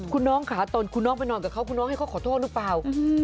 คุณน้องค่ะตอนคุณน้องไปนอนกับเขาคุณน้องให้เขาขอโทษหรือเปล่า